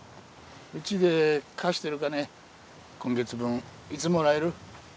うちで貸してる金今月分いつもらえる？